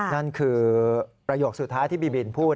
นั่นคือประโยคสุดท้ายที่บีบินพูด